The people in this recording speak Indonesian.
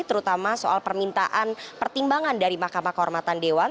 terutama soal permintaan pertimbangan dari mahkamah kehormatan dewan